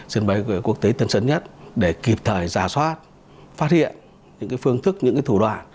sân bay quốc tế tân sơn nhất để kịp thời giả soát phát hiện những phương thức những thủ đoạn